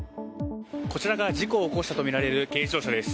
こちらが事故を起こしたとみられる軽自動車です。